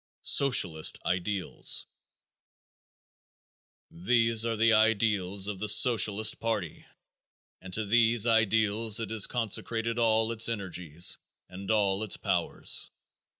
Socialist Ideals. These are the ideals of the Socialist party and to these ideals it has consecrated all its energies and all its powers.